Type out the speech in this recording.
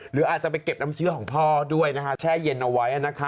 หรืออาจจะไปเก็บน้ำเชื้อของพ่อด้วยแช่เย็นเอาไว้